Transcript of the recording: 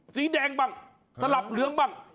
สีแดงบ้างสลับเหลืองบ้าง